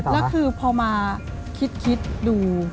แล้วคือพอมาคิดดู